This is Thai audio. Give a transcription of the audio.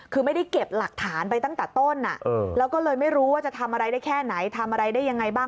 คือไม่ได้เก็บหลักฐานไปตั้งแต่ต้นแล้วก็เลยไม่รู้ว่าจะทำอะไรได้แค่ไหนทำอะไรได้ยังไงบ้าง